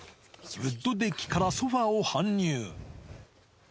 ウッドデッキからソファを搬入。